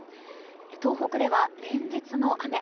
東北では連日の雨。